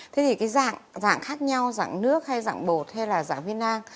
thế thì cái dạng khác nhau dạng nước hay dạng bột hay là dạng viên nang